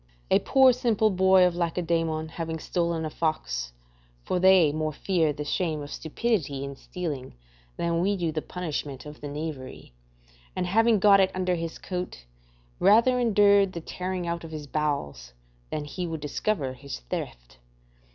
[Plutarch, On Love, c. 34.] A poor simple boy of Lacedaemon having stolen a fox (for they more fear the shame of stupidity in stealing than we do the punishment of the knavery), and having got it under his coat, rather endured the tearing out of his bowels than he would discover his theft.